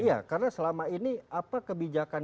iya karena selama ini apa kebijakan